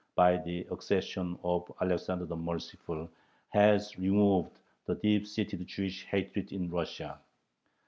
by the accession of Alexander the Merciful, has removed the deep seated Jewish hatred in Russia."